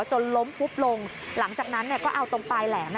จนล้มฟุบลงหลังจากนั้นก็เอาตรงปลายแหลม